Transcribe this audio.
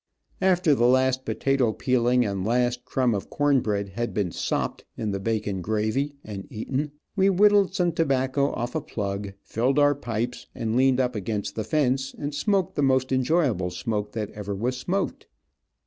After the last potato peeling, and the last crumb of corn bread had been "sopped" in the bacon gravy and eaten, we whittled some tobacco off a plug, filled our pipes and leaned up against the fence and smoked the most enjoyable smoke that ever was smoked.